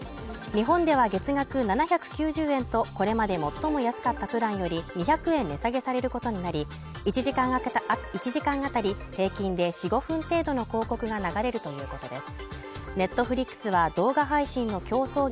日本では月額７９０円とこれまで最も安かったプランより２００円値下げされることになり１時間あたり平均で４５分程度の広告が流れるということです